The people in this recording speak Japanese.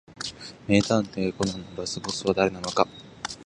名探偵コナンのラスボスは誰なのか